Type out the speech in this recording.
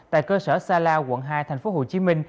tại cơ sở sala quận hai tp hcm